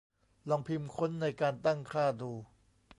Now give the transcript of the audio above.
ลองพิมพ์ค้นในการตั้งค่าดู